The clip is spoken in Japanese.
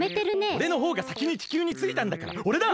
おれのほうがさきに地球についたんだからおれだ！